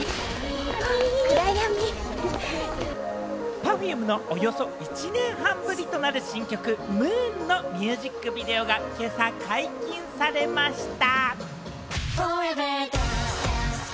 Ｐｅｒｆｕｍｅのおよそ１年半ぶりとなる新曲『Ｍｏｏｎ』のミュージックビデオが今朝、解禁されました。